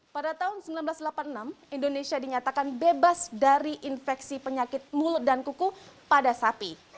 pada tahun seribu sembilan ratus delapan puluh enam indonesia dinyatakan bebas dari infeksi penyakit mulut dan kuku pada sapi